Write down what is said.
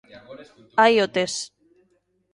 Aí o tes...